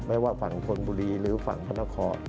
ไม่ว่าฝั่งคนบุรีหรือฝั่งพนคร